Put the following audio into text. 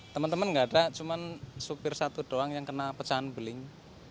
teman teman gak ada cuman sopir satu doang yang kena pecahan beling